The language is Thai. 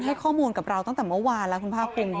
ให้ข้อมูลกับเราตั้งแต่เมื่อวานแล้วคุณภาคภูมิ